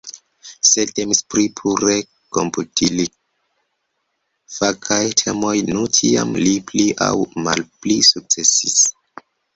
Se temis pri pure komputilfakaj temoj, nu tiam li pli aŭ malpli sukcesis.